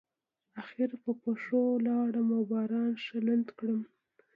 اخر په پښو لاړم او باران ښه لوند کړلم.